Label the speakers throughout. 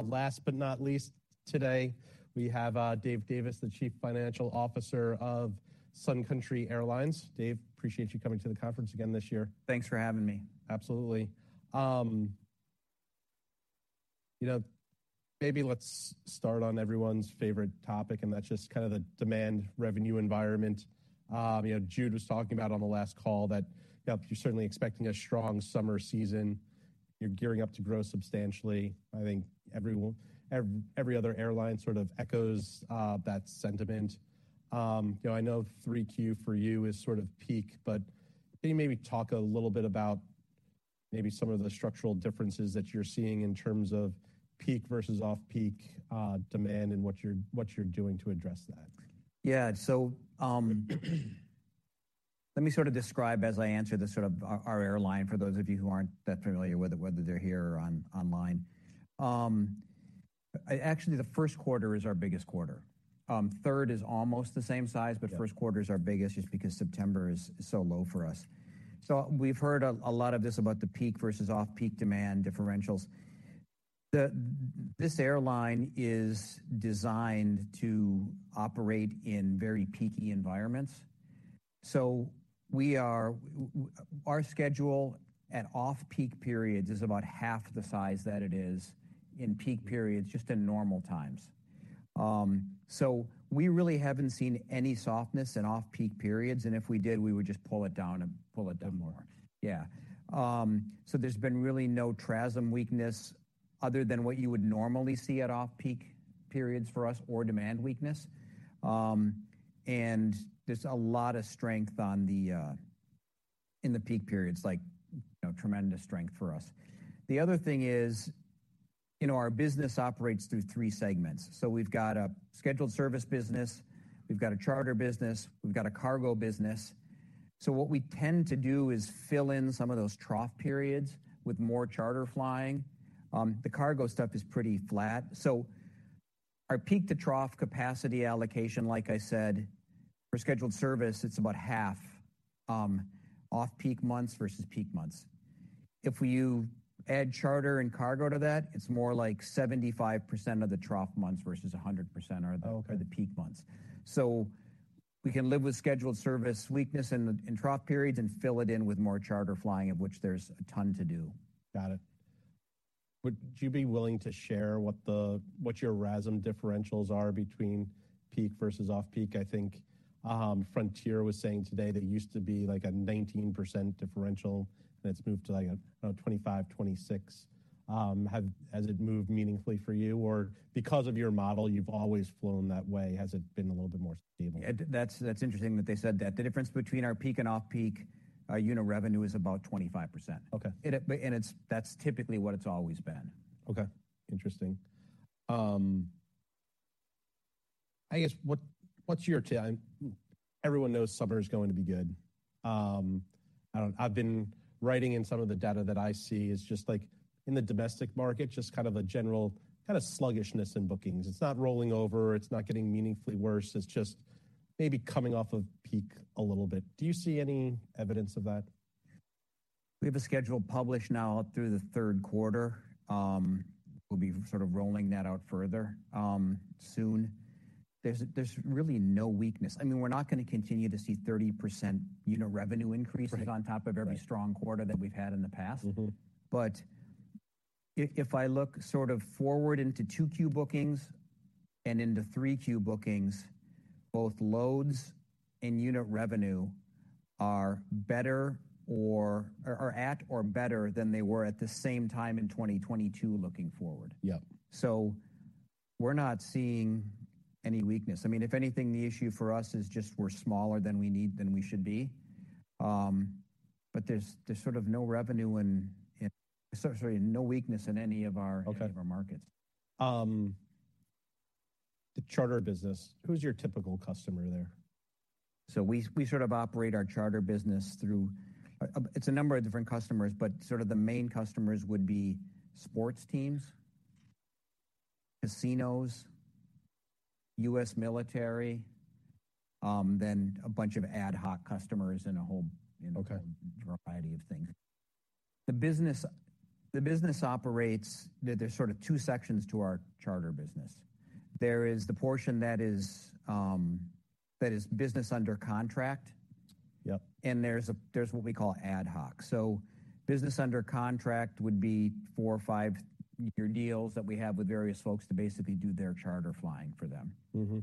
Speaker 1: Last but not least today, we have Dave Davis, the Chief Financial Officer of Sun Country Airlines. Dave, appreciate you coming to the conference again this year.
Speaker 2: Thanks for having me.
Speaker 1: Absolutely. You know, maybe let's start on everyone's favorite topic, and that's just kind of the demand revenue environment. You know, Jude was talking about on the last call that, you know, you're certainly expecting a strong summer season. You're gearing up to grow substantially. I think every other airline sort of echoes that sentiment. You know, I know 3Q for you is sort of peak, can you maybe talk a little bit about maybe some of the structural differences that you're seeing in terms of peak versus off-peak demand and what you're, what you're doing to address that?
Speaker 2: Yeah. Let me sort of describe as I answer the sort of our airline for those of you who aren't that familiar with it, whether they're here or on-online. Actually, the first quarter is our biggest quarter. Third is almost the same size.
Speaker 1: Yeah.
Speaker 2: First quarter is our biggest just because September is so low for us. We've heard a lot of this about the peak versus off-peak demand differentials. This airline is designed to operate in very peaky environments. Our schedule at off-peak periods is about half the size that it is in peak periods, just in normal times. We really haven't seen any softness in off-peak periods, and if we did, we would just pull it down and pull it down more.
Speaker 1: Mm-hmm.
Speaker 2: Yeah. There's been really no TRASM weakness other than what you would normally see at off-peak periods for us or demand weakness. There's a lot of strength on the in the peak periods, like, you know, tremendous strength for us. The other thing is, you know, our business operates through three segments. We've got a scheduled service business. We've got a charter business. We've got a cargo business. What we tend to do is fill in some of those trough periods with more charter flying. The cargo stuff is pretty flat. Our peak to trough capacity allocation, like I said, for scheduled service, it's about half off-peak months versus peak months. If you add charter and cargo to that, it's more like 75% of the trough months versus 100% are the.
Speaker 1: Oh, okay.
Speaker 2: -are the peak months. We can live with scheduled service weakness in trough periods and fill it in with more charter flying in which there's a ton to do.
Speaker 1: Got it. Would you be willing to share what the, what your RASM differentials are between peak versus off-peak? I think Frontier was saying today that it used to be like a 19% differential, and it's moved to like a, you know, 25%, 26%. Has it moved meaningfully for you? Or because of your model, you've always flown that way, has it been a little bit more stable?
Speaker 2: That's interesting that they said that. The difference between our peak and off-peak, unit revenue is about 25%.
Speaker 1: Okay.
Speaker 2: That's typically what it's always been.
Speaker 1: Okay. Interesting. I guess what's your everyone knows summer's going to be good. I've been writing in some of the data that I see is just like in the domestic market, just kind of a general kind of sluggishness in bookings. It's not rolling over. It's not getting meaningfully worse. It's just maybe coming off of peak a little bit. Do you see any evidence of that?
Speaker 2: We have a schedule published now through the third quarter. We'll be sort of rolling that out further, soon. There's really no weakness. I mean, we're not gonna continue to see 30% unit revenue increases...
Speaker 1: Right.
Speaker 2: on top of every strong quarter that we've had in the past.
Speaker 1: Mm-hmm.
Speaker 2: If I look sort of forward into 2Q bookings and into 3Q bookings, both loads and unit revenue are at or better than they were at the same time in 2022 looking forward.
Speaker 1: Yeah.
Speaker 2: We're not seeing any weakness. I mean, if anything, the issue for us is just we're smaller than we should be. But there's sort of no revenue in... Sorry, no weakness in any of...
Speaker 1: Okay.
Speaker 2: any of our markets.
Speaker 1: The charter business, who's your typical customer there?
Speaker 2: We sort of operate our charter business through. It's a number of different customers, but sort of the main customers would be sports teams, casinos, U.S. military, then a bunch of ad hoc customers.
Speaker 1: Okay.
Speaker 2: you know, a whole variety of things. The business operates. There's sort of two sections to our charter business. There is the portion that is business under contract.
Speaker 1: Yep.
Speaker 2: There's what we call ad hoc. Business under contract would be four or five-year deals that we have with various folks to basically do their charter flying for them.
Speaker 1: Mm-hmm.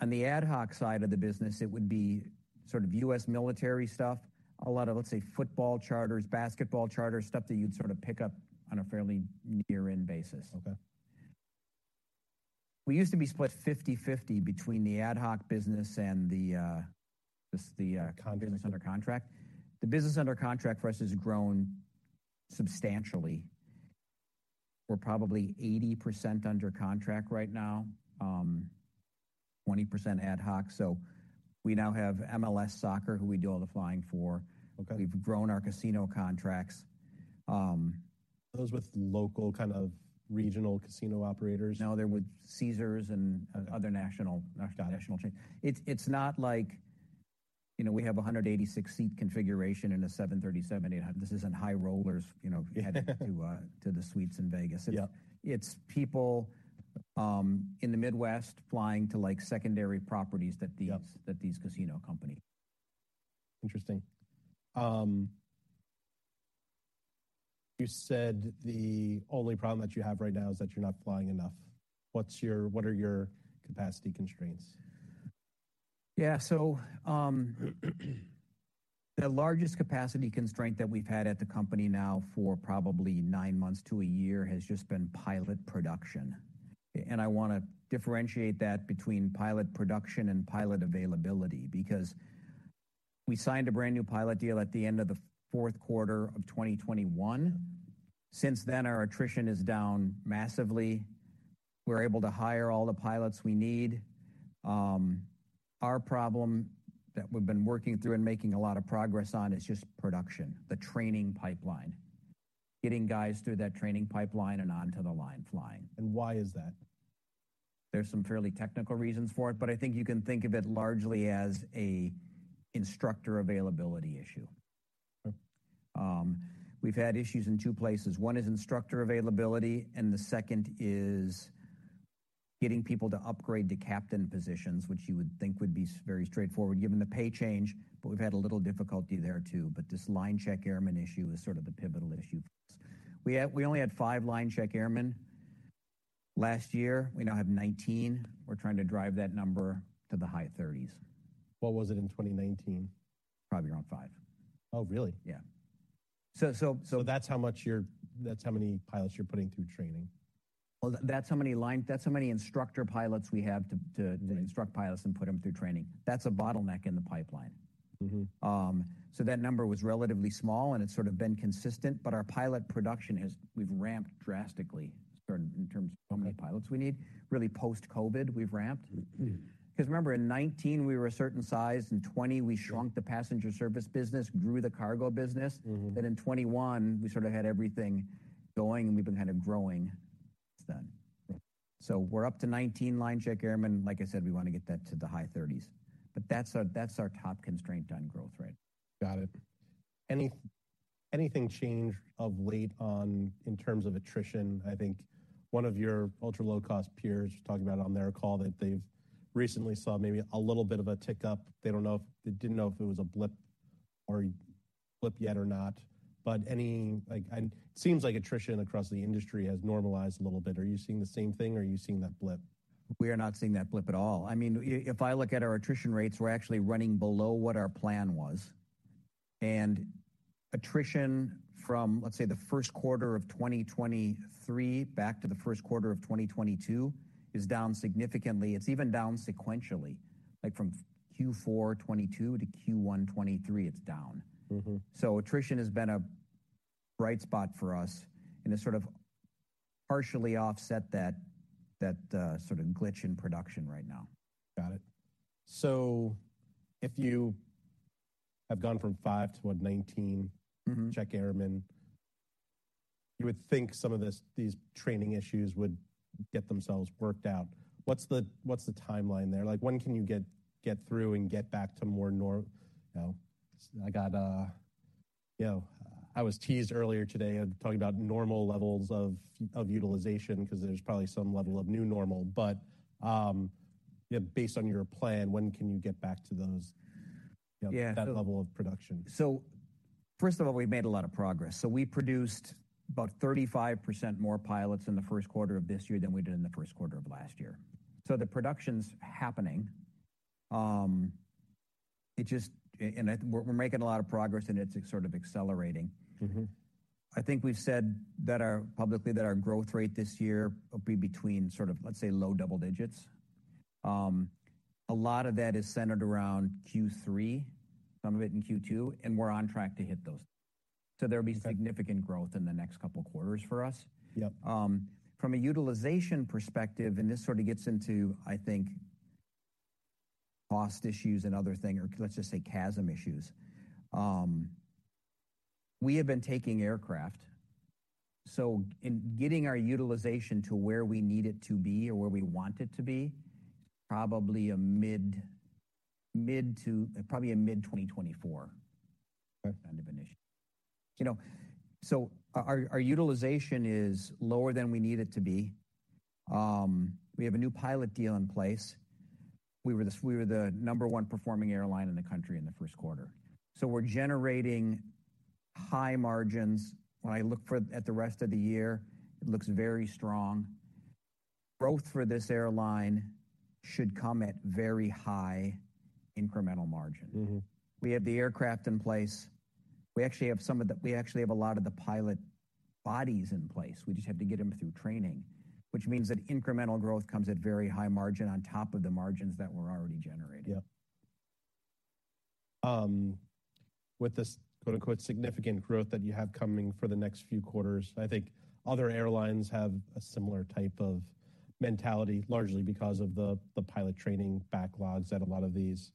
Speaker 2: On the ad hoc side of the business, it would be sort of U.S. military stuff, a lot of, let's say, football charters, basketball charters, stuff that you'd sort of pick up on a fairly near-in basis.
Speaker 1: Okay.
Speaker 2: We used to be split 50/50 between the ad hoc business and the, just the.
Speaker 1: Contract business.
Speaker 2: business under contract. The business under contract for us has grown substantially. We're probably 80% under contract right now, 20% ad hoc. We now have MLS Soccer, who we do all the flying for.
Speaker 1: Okay.
Speaker 2: We've grown our casino contracts.
Speaker 1: Those with local, kind of regional casino operators?
Speaker 2: No, they're with Caesars and other national-
Speaker 1: Got it.
Speaker 2: national chains. It's not like, you know, we have a 186 seat configuration in a 737 NG. This isn't high rollers, you know, heading to the suites in Vegas.
Speaker 1: Yeah.
Speaker 2: It's people, in the Midwest flying to, like, secondary properties.
Speaker 1: Yeah.
Speaker 2: that these casino company
Speaker 1: Interesting. You said the only problem that you have right now is that you're not flying enough. What are your capacity constraints?
Speaker 2: The largest capacity constraint that we've had at the company now for probably nine months to a year has just been pilot production. I wanna differentiate that between pilot production and pilot availability, because we signed a brand-new pilot deal at the end of the fourth quarter of 2021. Since then, our attrition is down massively. We're able to hire all the pilots we need. Our problem that we've been working through and making a lot of progress on is just production, the training pipeline, getting guys through that training pipeline and onto the line flying.
Speaker 1: Why is that?
Speaker 2: There's some fairly technical reasons for it, but I think you can think of it largely as an instructor availability issue.
Speaker 1: Okay.
Speaker 2: We've had issues in two places. One is instructor availability, and the second is getting people to upgrade to captain positions, which you would think would be very straightforward given the pay change. We've had a little difficulty there, too. This line check airman issue is sort of the pivotal issue. We only had five line check airmen last year. We now have 19. We're trying to drive that number to the high 30s.
Speaker 1: What was it in 2019?
Speaker 2: Probably around five.
Speaker 1: Oh, really?
Speaker 2: Yeah.
Speaker 1: That's how many pilots you're putting through training.
Speaker 2: Well, that's how many instructor pilots we have to.
Speaker 1: Mm-hmm.
Speaker 2: -to instruct pilots and put them through training. That's a bottleneck in the pipeline.
Speaker 1: Mm-hmm.
Speaker 2: That number was relatively small, and it's sort of been consistent. Our pilot production is we've ramped drastically sort of in terms of how many pilots we need. Really post-COVID, we've ramped.
Speaker 1: Mm-hmm.
Speaker 2: Remember, in 2019 we were a certain size. In twenty-
Speaker 1: Sure.
Speaker 2: We shrunk the passenger service business, grew the cargo business.
Speaker 1: Mm-hmm.
Speaker 2: In 2021, we sort of had everything going, and we've been kind of growing since then.
Speaker 1: Yeah.
Speaker 2: We're up to 19 line check airmen. Like I said, we wanna get that to the high thirties, but that's our top constraint on growth rate.
Speaker 1: Got it. Anything changed of late on in terms of attrition? I think one of your ultra-low-cost peers talking about on their call that they've recently saw maybe a little bit of a tick up. They didn't know if it was a blip yet or not. Any. Like, it seems like attrition across the industry has normalized a little bit. Are you seeing the same thing or are you seeing that blip?
Speaker 2: We are not seeing that blip at all. I mean, if I look at our attrition rates, we're actually running below what our plan was. Attrition from, let's say, the first quarter of 2023 back to the first quarter of 2022 is down significantly. It's even down sequentially. Like, from Q4 2022 to Q1 2023, it's down.
Speaker 1: Mm-hmm.
Speaker 2: Attrition has been a bright spot for us, and it sort of partially offset that sort of glitch in production right now.
Speaker 1: Got it. If you have gone from 5 to, what, 19-
Speaker 2: Mm-hmm.
Speaker 1: check airmen, you would think some of these training issues would get themselves worked out. What's the timeline there? Like, when can you get through and get back to more nor. You know, I got. You know, I was teased earlier today talking about normal levels of utilization because there's probably some level of new normal. Based on your plan, when can you get back to those?
Speaker 2: Yeah.
Speaker 1: that level of production?
Speaker 2: First of all, we've made a lot of progress. We produced about 35% more pilots in the first quarter of this year than we did in the first quarter of last year. The production's happening. We're making a lot of progress, and it's sort of accelerating..
Speaker 1: Mm-hmm.
Speaker 2: I think we've said that publicly that our growth rate this year will be between sort of, let's say, low double digits. A lot of that is centered around Q3, some of it in Q2, and we're on track to hit those.
Speaker 1: Okay.
Speaker 2: Significant growth in the next couple quarters for us.
Speaker 1: Yep.
Speaker 2: From a utilization perspective, this sort of gets into, I think, cost issues and other thing, let's just say CASM issues. We have been taking aircraft, in getting our utilization to where we need it to be or where we want it to be, probably a mid-2024-
Speaker 1: Okay
Speaker 2: -kind of an issue. You know, so our utilization is lower than we need it to be. We have a new pilot deal in place. We were the number one performing airline in the country in the first quarter. We're generating high margins. When I look at the rest of the year, it looks very strong. Growth for this airline should come at very high incremental margin.
Speaker 1: Mm-hmm.
Speaker 2: We have the aircraft in place. We actually have a lot of the pilot bodies in place. We just have to get them through training, which means that incremental growth comes at very high margin on top of the margins that we're already generating.
Speaker 1: Yeah. With this, quote, unquote, "significant growth" that you have coming for the next few quarters, I think other airlines have a similar type of mentality, largely because of the pilot training backlogs that a lot of these,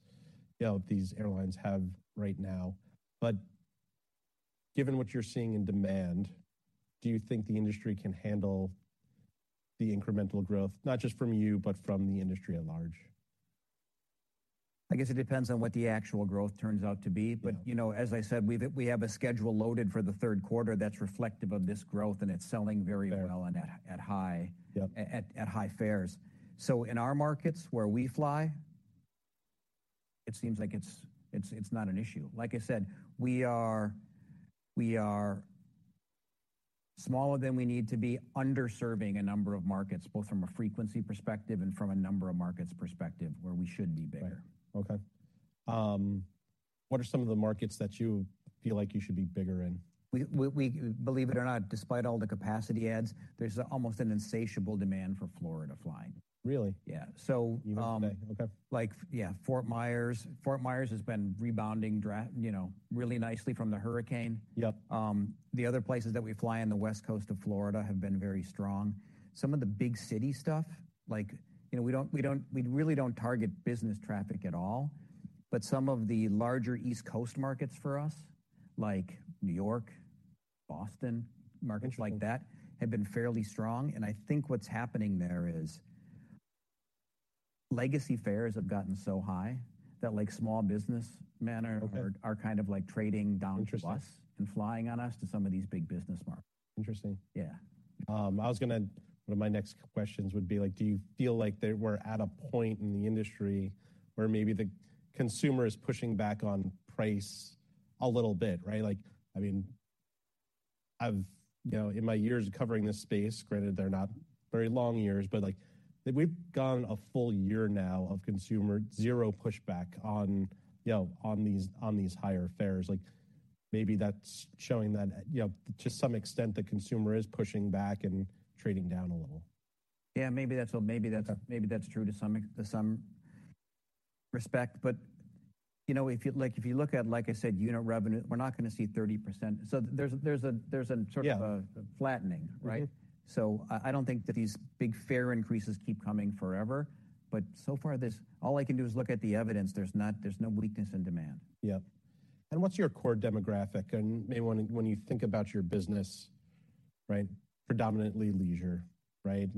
Speaker 1: you know, these airlines have right now. Given what you're seeing in demand, do you think the industry can handle the incremental growth, not just from you, but from the industry at large?
Speaker 2: I guess it depends on what the actual growth turns out to be.
Speaker 1: Yeah.
Speaker 2: You know, as I said, we have a schedule loaded for the third quarter that's reflective of this growth, and it's selling very well.
Speaker 1: Fair...
Speaker 2: and at high-
Speaker 1: Yep
Speaker 2: at high fares. In our markets where we fly, it seems like it's not an issue. Like I said, we are smaller than we need to be, underserving a number of markets, both from a frequency perspective and from a number of markets perspective where we should be bigger.
Speaker 1: Right. Okay. What are some of the markets that you feel like you should be bigger in?
Speaker 2: We believe it or not, despite all the capacity adds, there's almost an insatiable demand for Florida flying.
Speaker 1: Really?
Speaker 2: Yeah.
Speaker 1: Even today. Okay.
Speaker 2: Like, yeah, Fort Myers. Fort Myers has been rebounding you know, really nicely from the hurricane.
Speaker 1: Yep.
Speaker 2: The other places that we fly in the West Coast of Florida have been very strong. Some of the big city stuff like, you know, we really don't target business traffic at all. Some of the larger East Coast markets for us, like New York, Boston.
Speaker 1: Interesting...
Speaker 2: markets like that, have been fairly strong, and I think what's happening there is legacy fares have gotten so high that, like, small business men.
Speaker 1: Okay...
Speaker 2: are kind of like trading down to us...
Speaker 1: Interesting
Speaker 2: flying on us to some of these big business markets.
Speaker 1: Interesting.
Speaker 2: Yeah.
Speaker 1: One of my next questions would be like, do you feel like that we're at a point in the industry where maybe the consumer is pushing back on price a little bit, right? Like, I mean, you know, in my years of covering this space, granted, they're not very long years, but, like, we've gone a full year now of consumer zero pushback on, you know, on these, on these higher fares. Like, maybe that's showing that, you know, to some extent the consumer is pushing back and trading down a little.
Speaker 2: Yeah, maybe that's true to some respect. You know, like, if you look at, like I said, unit revenue, we're not gonna see 30%. There's a sort of.
Speaker 1: Yeah...
Speaker 2: flattening, right?
Speaker 1: Mm-hmm.
Speaker 2: I don't think that these big fare increases keep coming forever, but so far. All I can do is look at the evidence. There's no weakness in demand.
Speaker 1: Yep. What's your core demographic? Maybe when you think about your business, right? Predominantly leisure, right?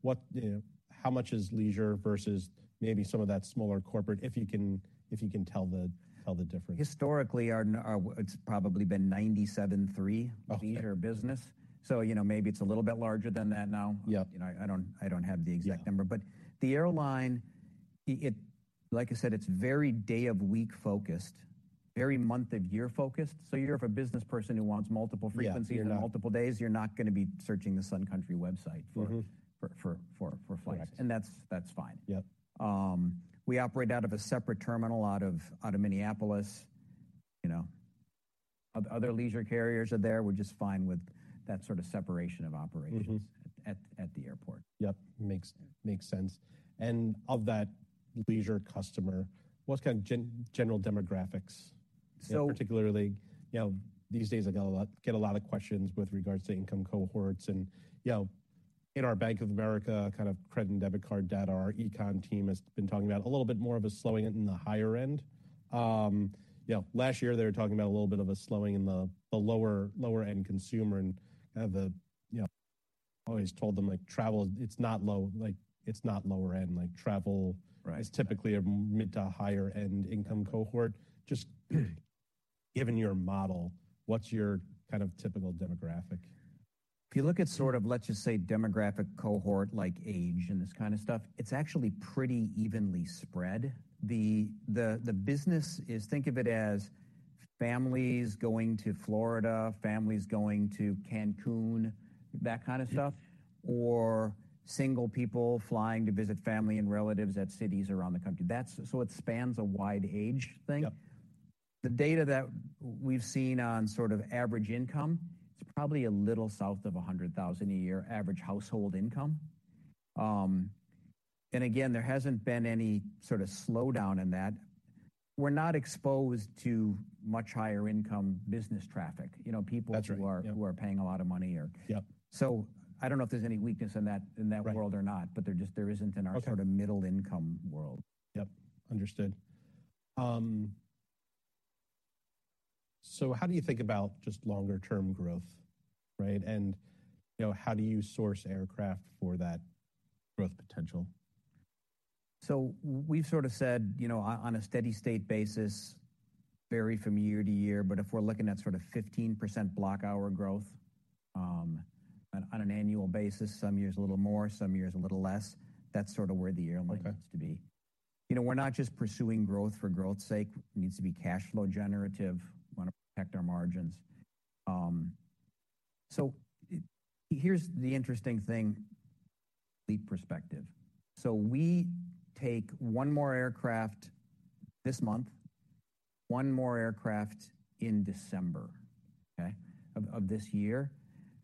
Speaker 1: What, you know? How much is leisure versus maybe some of that smaller corporate, if you can tell the difference?
Speaker 2: Historically, our... It's probably been 97 3-
Speaker 1: Okay...
Speaker 2: leisure business. you know, maybe it's a little bit larger than that now.
Speaker 1: Yep.
Speaker 2: You know, I don't have the exact number.
Speaker 1: Yeah.
Speaker 2: The airline, like I said, it's very day-of-week focused, very month-of-year focused. You're a business person who wants multiple frequencies...
Speaker 1: Yeah....
Speaker 2: and multiple days, you're not gonna be searching the Sun Country website for.
Speaker 1: Mm-hmm...
Speaker 2: for flights.
Speaker 1: Right.
Speaker 2: That's fine.
Speaker 1: Yep.
Speaker 2: We operate out of a separate terminal out of Minneapolis, you know. Other leisure carriers are there. We're just fine with that sort of separation of operations.
Speaker 1: Mm-hmm
Speaker 2: at the airport.
Speaker 1: Yep. Makes sense. Of that leisure customer, what's kind of general demographics?
Speaker 2: So-
Speaker 1: You know, particularly, you know, these days I get a lot of questions with regards to income cohorts and, you know, in our Bank of America kind of credit and debit card data, our econ team has been talking about a little bit more of a slowing in the higher end. You know, last year they were talking about a little bit of a slowing in the lower-end consumer. You know, I've always told them, like, travel, it's not low. Like, it's not lower end. Like, travel.
Speaker 2: Right
Speaker 1: is typically a mid to higher end income cohort. Just given your model, what's your kind of typical demographic?
Speaker 2: If you look at sort of, let's just say, demographic cohort like age and this kind of stuff, it's actually pretty evenly spread. Think of it as families going to Florida, families going to Cancun, that kind of stuff.
Speaker 1: Yeah.
Speaker 2: Single people flying to visit family and relatives at cities around the country. So it spans a wide age thing.
Speaker 1: Yep.
Speaker 2: The data that we've seen on sort of average income, it's probably a little south of $100,000 a year average household income. Again, there hasn't been any sort of slowdown in that. We're not exposed to much higher income business traffic. You know.
Speaker 1: That's right. Yep...
Speaker 2: who are paying a lot of money.
Speaker 1: Yep.
Speaker 2: I don't know if there's any weakness in that, in that world or not.
Speaker 1: Right.
Speaker 2: there isn't.
Speaker 1: Okay...
Speaker 2: sort of middle income world.
Speaker 1: Yep. Understood. How do you think about just longer term growth, right? You know, how do you source aircraft for that growth potential?
Speaker 2: We've sort of said, you know, on a steady state basis, vary from year to year, but if we're looking at sort of 15% block hour growth, on an annual basis, some years a little more, some years a little less, that's sort of where the airline.
Speaker 1: Okay
Speaker 2: needs to be. You know, we're not just pursuing growth for growth's sake. It needs to be cash flow generative. Wanna protect our margins. Here's the interesting thing, lead perspective. We take one more aircraft this month, one more aircraft in December, okay, of this year,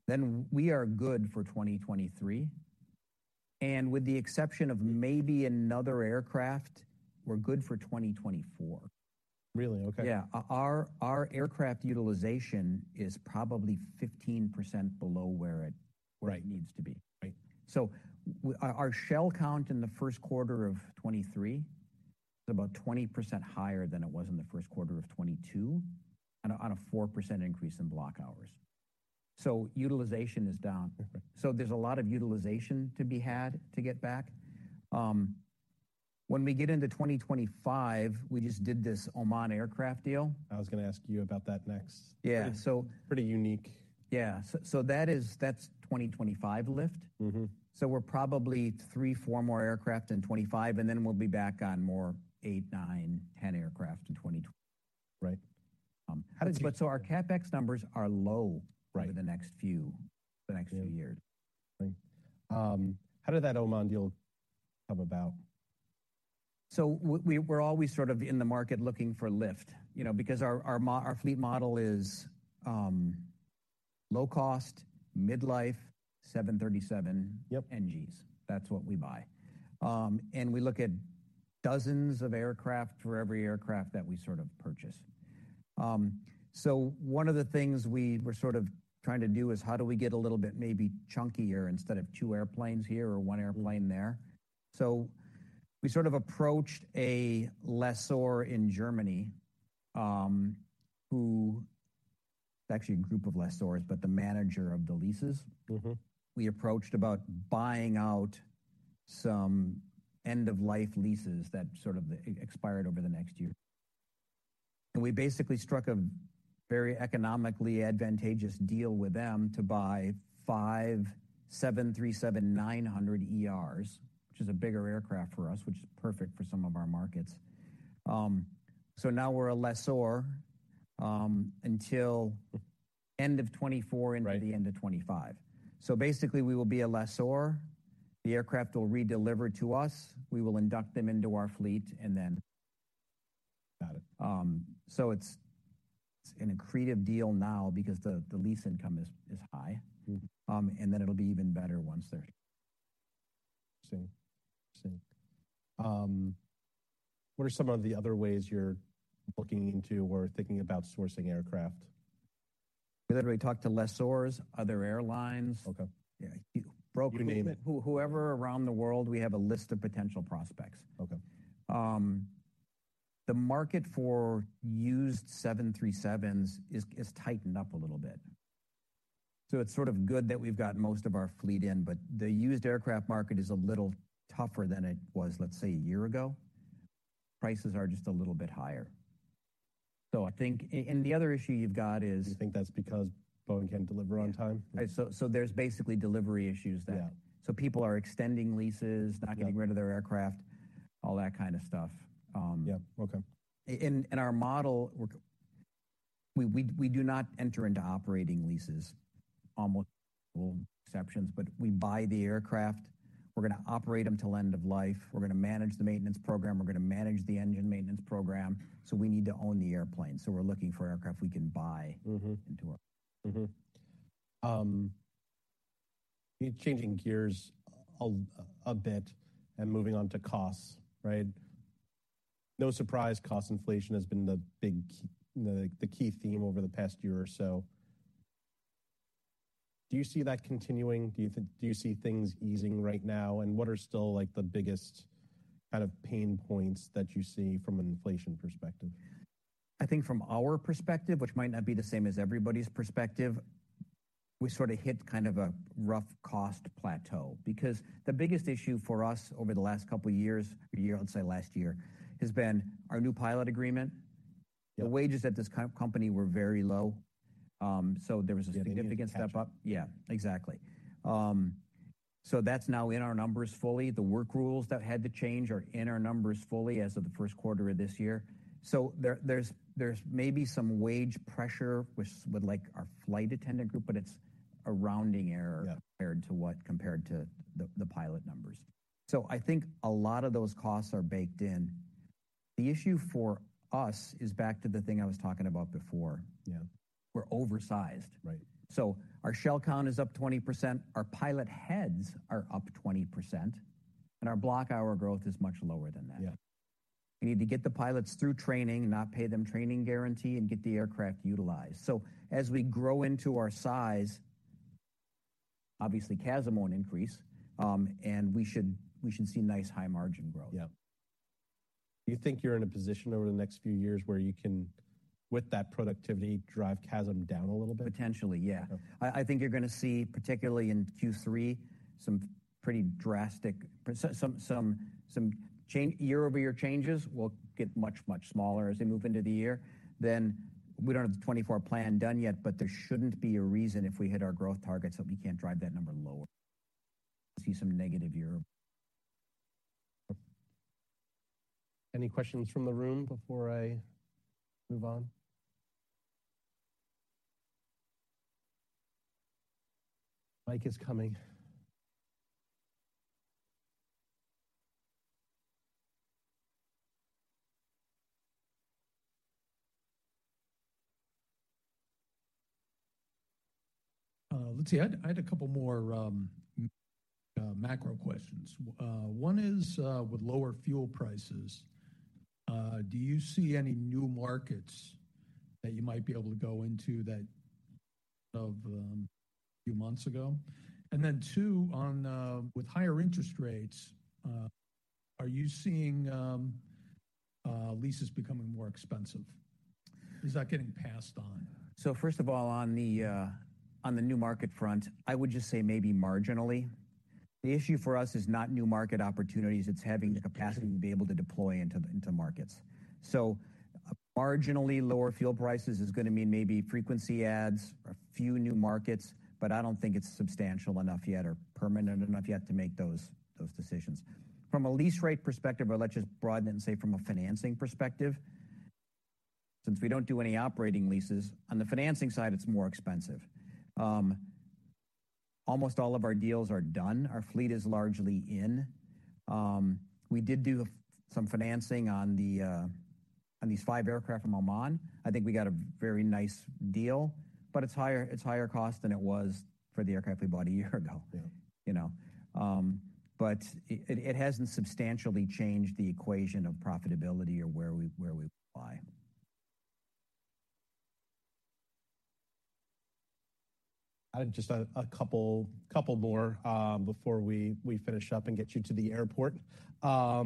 Speaker 2: then we are good for 2023. With the exception of maybe another aircraft, we're good for 2024.
Speaker 1: Really? Okay.
Speaker 2: Yeah. Our aircraft utilization is probably 15% below where.
Speaker 1: Right
Speaker 2: where it needs to be.
Speaker 1: Right.
Speaker 2: Our fleet count in the first quarter of 2023. About 20% higher than it was in the first quarter of 2022 on a 4% increase in block hours. Utilization is down.
Speaker 1: Okay.
Speaker 2: There's a lot of utilization to be had to get back. When we get into 2025, we just did this Oman Aircraft deal.
Speaker 1: I was gonna ask you about that next.
Speaker 2: Yeah.
Speaker 1: Pretty unique.
Speaker 2: Yeah. That's 2025 lift.
Speaker 1: Mm-hmm.
Speaker 2: We're probably 3, 4 more aircraft in 2025, and then we'll be back on more 8, 9, 10 aircraft in 20-.
Speaker 1: Right.
Speaker 2: Our CapEx numbers are low.
Speaker 1: Right.
Speaker 2: -for the next few years.
Speaker 1: Yeah. Great. How did that Oman deal come about?
Speaker 2: We're always sort of in the market looking for lift, you know, because our fleet model is low cost, mid-life, 737 NG.
Speaker 1: Yep.
Speaker 2: NGs. That's what we buy. We look at dozens of aircraft for every aircraft that we sort of purchase. One of the things we were sort of trying to do is how do we get a little bit maybe chunkier instead of 2 airplanes here or 1 airplane there. We sort of approached a lessor in Germany. It's actually a group of lessors, but the manager of the leases.
Speaker 1: Mm-hmm.
Speaker 2: We approached about buying out some end-of-life leases that sort of expired over the next year. We basically struck a very economically advantageous deal with them to buy 5 737-900ERs, which is a bigger aircraft for us, which is perfect for some of our markets. Now we're a lessor until end of.
Speaker 1: Right.
Speaker 2: into the end of 25. Basically, we will be a lessor. The aircraft will redeliver to us, we will induct them into our fleet, and then...
Speaker 1: Got it.
Speaker 2: it's an accretive deal now because the lease income is high.
Speaker 1: Mm-hmm.
Speaker 2: it'll be even better once they're...
Speaker 1: I see. I see. What are some of the other ways you're looking into or thinking about sourcing aircraft?
Speaker 2: We literally talk to lessors, other airlines.
Speaker 1: Okay.
Speaker 2: Yeah.
Speaker 1: You name it.
Speaker 2: Whoever around the world, we have a list of potential prospects.
Speaker 1: Okay.
Speaker 2: The market for used 737s is tightened up a little bit. It's sort of good that we've got most of our fleet in, but the used aircraft market is a little tougher than it was, let's say, a year ago. Prices are just a little bit higher. I think... the other issue you've got is-
Speaker 1: Do you think that's because Boeing can't deliver on time?
Speaker 2: There's basically delivery issues there.
Speaker 1: Yeah.
Speaker 2: people are extending leases.
Speaker 1: Okay.
Speaker 2: not getting rid of their aircraft, all that kind of stuff.
Speaker 1: Yeah. Okay.
Speaker 2: In our model, we do not enter into operating leases, almost exceptions, we buy the aircraft. We're gonna operate them till end of life. We're gonna manage the maintenance program. We're gonna manage the engine maintenance program, we need to own the airplane. We're looking for aircraft we can buy.
Speaker 1: Mm-hmm.
Speaker 2: into our
Speaker 1: Changing gears a bit and moving on to costs, right? No surprise, cost inflation has been the key theme over the past year or so. Do you see that continuing? Do you see things easing right now? What are still, like, the biggest kind of pain points that you see from an inflation perspective?
Speaker 2: I think from our perspective, which might not be the same as everybody's perspective, we sort of hit kind of a rough cost plateau. The biggest issue for us over the last couple of years, a year, I'd say last year, has been our new pilot agreement.
Speaker 1: Yeah.
Speaker 2: The wages at this company were very low. There was a significant step up. Yeah, exactly. That's now in our numbers fully. The work rules that had to change are in our numbers fully as of the first quarter of this year. There's maybe some wage pressure with, like, our flight attendant group, but it's a rounding error.
Speaker 1: Yeah.
Speaker 2: compared to the pilot numbers. I think a lot of those costs are baked in. The issue for us is back to the thing I was talking about before.
Speaker 1: Yeah.
Speaker 2: We're oversized.
Speaker 1: Right.
Speaker 2: Our fleet count is up 20%, our pilot heads are up 20%, and our block hour growth is much lower than that.
Speaker 1: Yeah.
Speaker 2: We need to get the pilots through training, not pay them training guarantee, and get the aircraft utilized. As we grow into our size, obviously, CASM won't increase, and we should see nice high margin growth.
Speaker 1: Do you think you're in a position over the next few years where you can, with that productivity, drive CASM down a little bit?
Speaker 2: Potentially, yeah.
Speaker 1: Okay.
Speaker 2: I think you're gonna see, particularly in Q3, some change year-over-year changes will get much, much smaller as we move into the year. We don't have the 2024 plan done yet, but there shouldn't be a reason if we hit our growth targets that we can't drive that number lower. See some negative year.
Speaker 1: Any questions from the room before I move on? Mike is coming. Let's see. I had a couple more macro questions. One is, with lower fuel prices, do you see any new markets that you might be able to go into? Of, a few months ago. 2, on, with higher interest rates, are you seeing, leases becoming more expensive? Is that getting passed on?
Speaker 2: First of all, on the, on the new market front, I would just say maybe marginally. The issue for us is not new market opportunities, it's having the capacity to be able to deploy into markets. Marginally lower fuel prices is gonna mean maybe frequency adds, a few new markets, but I don't think it's substantial enough yet or permanent enough yet to make those decisions. From a lease rate perspective, or let's just broaden it and say from a financing perspective, since we don't do any operating leases, on the financing side, it's more expensive. Almost all of our deals are done. Our fleet is largely in. We did do some financing on the, on these five aircraft in Oman. I think we got a very nice deal, but it's higher cost than it was for the aircraft we bought a year ago.
Speaker 1: Yeah.
Speaker 2: You know. It hasn't substantially changed the equation of profitability or where we, where we buy.
Speaker 1: I have just a couple more before we finish up and get you to the airport,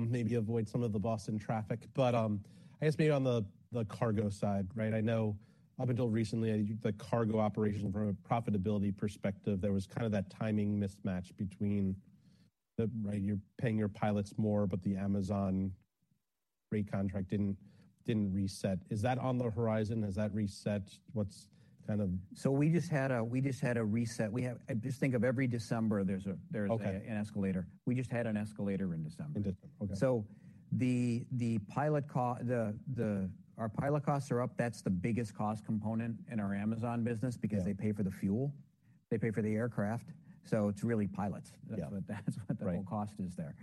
Speaker 1: maybe avoid some of the Boston traffic. I guess maybe on the cargo side, right? I know up until recently, the cargo operation from a profitability perspective, there was kind of that timing mismatch between the... Right, you're paying your pilots more, but the Amazon rate contract didn't reset. Is that on the horizon? Is that reset? What's kind of-
Speaker 2: We just had a reset. Just think of every December, there's a.
Speaker 1: Okay.
Speaker 2: An escalator. We just had an escalator in December.
Speaker 1: In December. Okay.
Speaker 2: Our pilot costs are up. That's the biggest cost component in our Amazon business.
Speaker 1: Yeah.
Speaker 2: Because they pay for the fuel, they pay for the aircraft, so it's really pilots.
Speaker 1: Yeah.
Speaker 2: That's what the whole cost is there.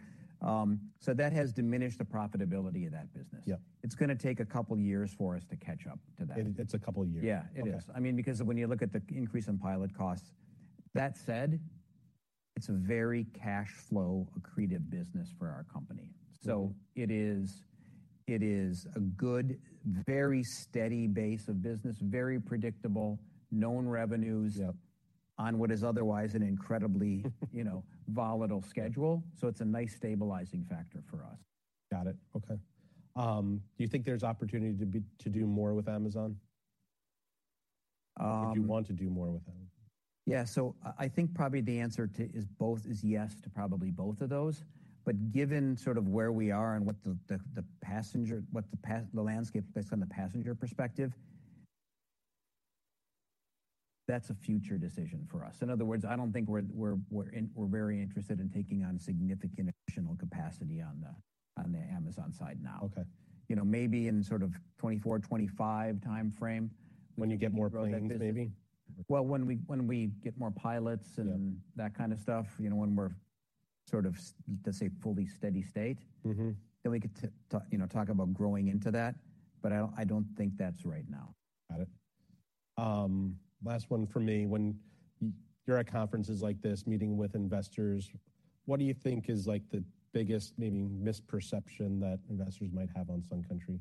Speaker 2: That has diminished the profitability of that business.
Speaker 1: Yeah.
Speaker 2: It's gonna take a couple years for us to catch up to that.
Speaker 1: It's a couple years.
Speaker 2: Yeah, it is.
Speaker 1: Okay.
Speaker 2: I mean, because when you look at the increase in pilot costs. That said, it's a very cash flow accretive business for our company.
Speaker 1: Mm-hmm.
Speaker 2: It is a good, very steady base of business, very predictable, known revenues.
Speaker 1: Yep.
Speaker 2: on what is otherwise an incredibly, you know, volatile schedule. It's a nice stabilizing factor for us.
Speaker 1: Got it. Okay. Do you think there's opportunity to do more with Amazon?
Speaker 2: Um-
Speaker 1: Would you want to do more with Amazon?
Speaker 2: I think probably the answer is both is yes to probably both of those. Given sort of where we are and what the passenger landscape based on the passenger perspective, that's a future decision for us. In other words, I don't think we're very interested in taking on significant additional capacity on the Amazon side now.
Speaker 1: Okay.
Speaker 2: You know, maybe in sort of 2024, 2025 timeframe.
Speaker 1: When you get more planes maybe?
Speaker 2: Well, when we get more pilots-
Speaker 1: Yeah.
Speaker 2: That kind of stuff. You know, when we're sort of let's say fully steady state.
Speaker 1: Mm-hmm.
Speaker 2: We get to you know, talk about growing into that. I don't, I don't think that's right now.
Speaker 1: Got it. Last one from me. When you're at conferences like this, meeting with investors, what do you think is, like, the biggest maybe misperception that investors might have on Sun Country?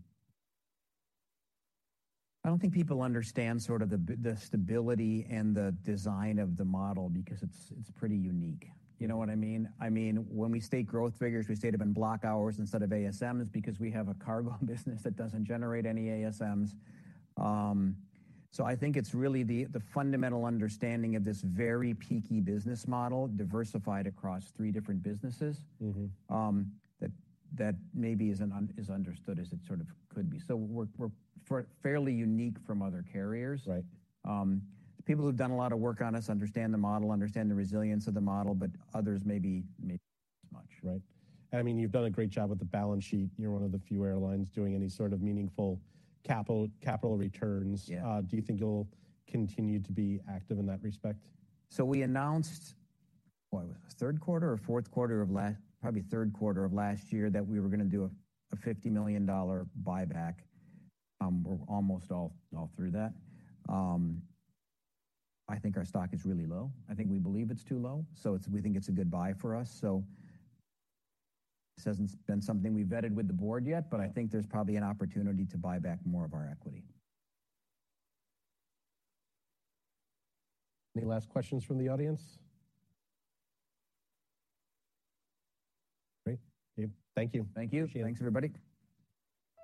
Speaker 2: I don't think people understand sort of the stability and the design of the model because it's pretty unique. You know what I mean? I mean, when we state growth figures, we state them in block hours instead of ASMs because we have a cargo business that doesn't generate any ASMs. I think it's really the fundamental understanding of this very peaky business model diversified across three different businesses-
Speaker 1: Mm-hmm.
Speaker 2: that maybe isn't understood as it sort of could be. We're fairly unique from other carriers.
Speaker 1: Right.
Speaker 2: People who've done a lot of work on us understand the model, understand the resilience of the model, but others maybe not as much.
Speaker 1: Right. I mean, you've done a great job with the balance sheet. You're one of the few airlines doing any sort of meaningful capital returns.
Speaker 2: Yeah.
Speaker 1: Do you think you'll continue to be active in that respect?
Speaker 2: We announced, what was it? Third quarter or fourth quarter of probably third quarter of last year that we were going to do a $50 million buyback. We're almost all through that. I think our stock is really low. I think we believe it's too low, so we think it's a good buy for us. This hasn't been something we've vetted with the board yet, but I think there's probably an opportunity to buy back more of our equity.
Speaker 1: Last questions from the audience? Great. Dave, thank you.
Speaker 2: Thank you.
Speaker 1: Appreciate it.
Speaker 2: Thanks, everybody.